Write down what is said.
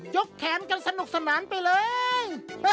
กแขนกันสนุกสนานไปเลย